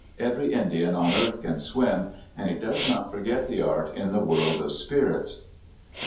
(Every Indian on earth can swim, and he does not forget the art in the world of spirits.)